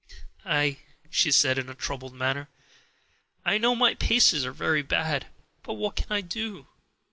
"Ah," she said in a troubled manner, "I know my paces are very bad, but what can I do?